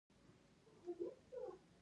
د پکتیا په لجه منګل کې د سمنټو مواد شته.